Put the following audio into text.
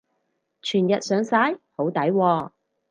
全日上晒？好抵喎